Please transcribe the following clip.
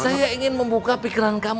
saya ingin membuka pikiran kamu